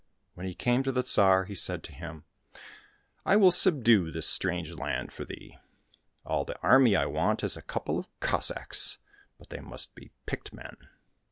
When he came to the Tsar, he said to him, " I will subdue this strange land for thee. All the army I want is a couple of Cossacks, but they must be picked men."